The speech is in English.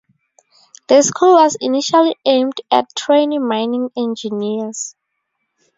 The school was initially aimed at training mining engineers.